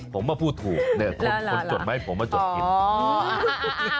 ผมมาพูดถูกเนี่ยคนจดไหมผมมาจดกิน